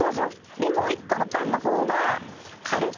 でもう一個のパンの方は軽く。